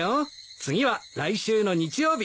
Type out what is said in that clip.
次は来週の日曜日。